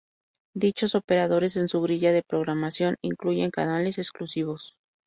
Dichos operadores en su grilla de programación incluyen canales exclusivos.